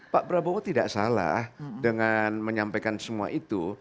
pak prabowo tidak salah dengan menyampaikan semua itu